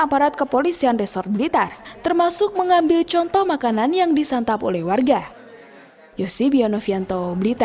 para kepolisian resort blitar termasuk mengambil contoh makanan yang disantap oleh warga yosibionovianto